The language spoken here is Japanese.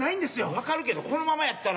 分かるけどこのままやったら。